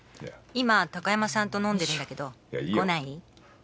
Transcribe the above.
「今高山さんと飲んでるんだけど来ない？」